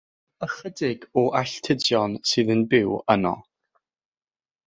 Ychydig o alltudion sydd yn byw yno.